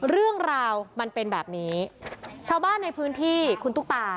เรื่องราวมันเป็นแบบนี้ชาวบ้านในพื้นที่คุณตุ๊กตา